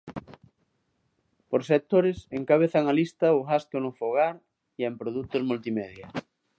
Por sectores encabezan a lista o gasto no fogar e en produtos multimedia.